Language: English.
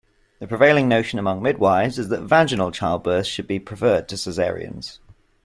The prevailing notion among midwifes is that vaginal childbirths should be preferred to cesareans.